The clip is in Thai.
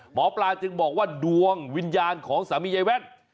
หมอปลาจึงบอกว่าดวงวิญญาณของสามียายแว่น